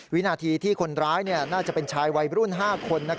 วินาทีที่คนร้ายน่าจะเป็นชายวัยรุ่น๕คน